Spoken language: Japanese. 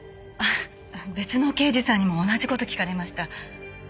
別の刑事さんにも同じ事聞かれました。